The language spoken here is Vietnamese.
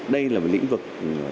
đây là một lĩnh vực